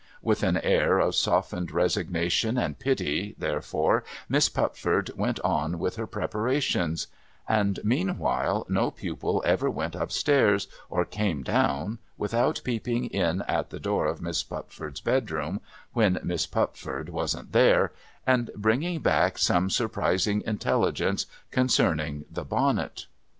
With an air of softened resignation and pity, therefore, Miss Pupford went on with her preparations: and meanwliile no pupil ever went up stairs, or came down, without peeping in at the door of Miss Pupford's bedroom (when Miss Pupford wasn't there), and bringing back some surprising intelligence concerning the bonnet.